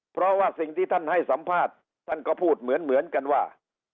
เพราะว่าสิ่งที่ท่านให้สัมภาษณ์ท่านก็พูดเหมือนกันว่า